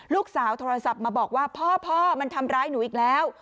โทรศัพท์มาบอกว่าพ่อมันทำร้ายหนูอีกแล้ว